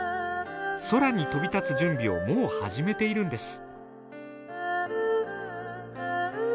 空に飛び立つ準備をもう始めているんです。